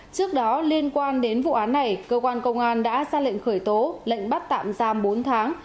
trước đó liên quan đến vụ án này cơ quan công an đã ra lệnh khởi tố lệnh bắt tạm giam bốn tháng